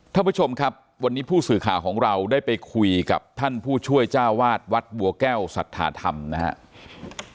ท่านผู้ชมครับวันนี้ผู้สื่อข่าวของเราได้ไปคุยกับท่านผู้ช่วยเจ้าวาดวัดบัวแก้วสัทธาธรรมนะครับ